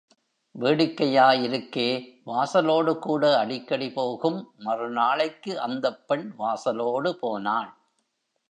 வேடிக்கையா இருக்கே! வாசலோடு கூட அடிக்கடி போகும். மறுநாளைக்கு அந்தப் பெண் வாசலோடு போனாள்.